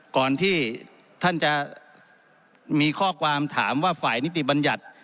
ก่อนที่ท่านจะมีข้อความถามว่าฝ่ายนิติบัญญัติ